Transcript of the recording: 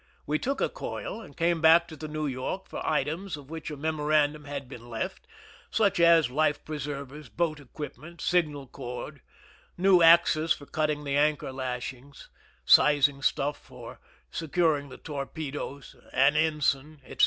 We took a coil, and came back by the New York for items of which a memorandum had been left, such as life preservers, boat equipment, signal cord, new axes for cutting the anchor lashings, seiz ing stuff for securing the torpedoes, an ensign, etc.